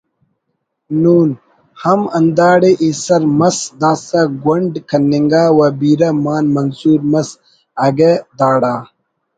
نون) ہم ہنداڑے ایسر مس داسہ گونڈ کننگا و بیرہ مان منصور مس اگہ داڑا